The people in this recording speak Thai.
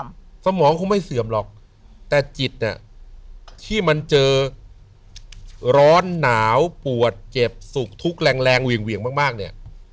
สมองคงไม่เสื่อมหรอกแต่จิตอ่ะที่มันเจอร้อนหนาวปวดเจ็บสุขทุกข์แรงแรงเหวี่ยงมากมากเนี่ย